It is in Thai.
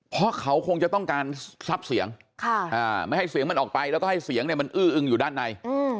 เพราะเขาคงจะต้องการทรัพย์เสียงไม่ให้เสียงมันออกไปแล้วก็ให้เสียงเนี่ยมันอื้ออึงอยู่ด้านใน